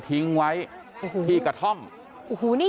เพื่อนบ้านเจ้าหน้าที่อำรวจกู้ภัย